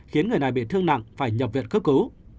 khiến người này bị thương nặng phải nhập viện cấp cứu